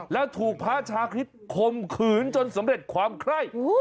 แล้วถูกพระชาคริสต์คมขืนจนสำเร็จความไคร่